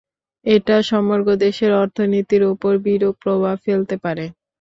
এটা সমগ্র দেশের অর্থনীতির ওপর বিরূপ প্রভাব ফেলতে পারে।